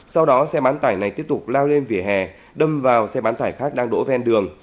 sau đó xe bán tải này tiếp tục lao lên vỉa hè đâm vào xe bán tải khác đang đổ ven đường